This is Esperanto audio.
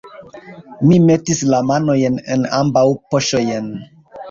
Mi metis la manojn en ambaŭ poŝojn.